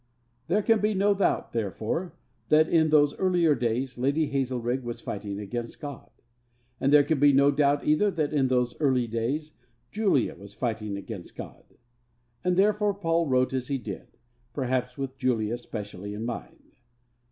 There can be no doubt, therefore, that, in those earlier days, Lady Hazelrigg was fighting against God. And there can be no doubt, either, that, in those early days, Julia was fighting against God. And therefore Paul wrote as he did, perhaps with Julia specially in mind.